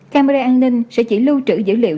camera an ninh sẽ chỉ lưu trữ dữ liệu